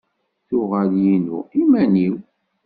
Tuɣal yinu iman-iw.